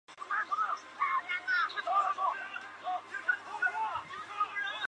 其日本名为佐藤爱之助。